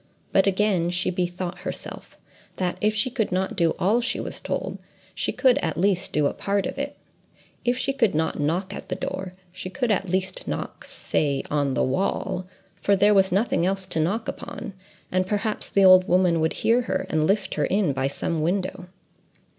But again she bethought herself—that, if she could not do all she was told, she could, at least, do a part of it: if she could not knock at the door, she could at least knock—say on the wall, for there was nothing else to knock upon—and perhaps the old woman would hear her, and lift her in by some window.